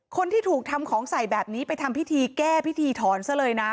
คนที่ถูกทำของใส่แบบนี้ไปทำพิธีแก้พิธีถอนซะเลยนะ